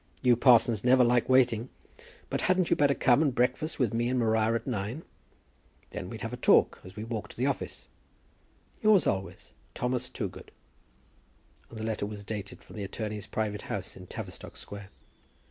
You parsons never like waiting. But hadn't you better come and breakfast with me and Maria at nine? then we'd have a talk as we walk to the office. Yours always, THOMAS TOOGOOD." And the letter was dated from the attorney's private house in Tavistock Square.